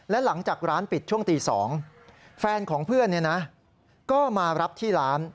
และหลังจากร้านปิดช่วงตี๒แฟนของเพื่อนก็มารับที่ร้าน